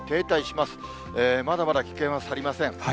まだまだ危険は去りません。